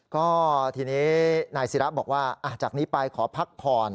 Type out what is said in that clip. ก็ทีนี้นายศิระบอกว่าจากนี้ไปขอพักผ่อน